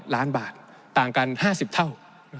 ล้านบาทต่างกัน๕๐เท่า